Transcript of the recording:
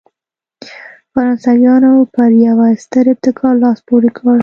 فرانسویانو پر یوه ستر ابتکار لاس پورې کړ.